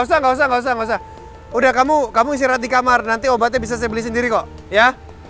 usah nggak usah nggak usah nggak usah udah kamu kamu istirahat di kamar nanti obatnya bisa saya beli sendiri kok ya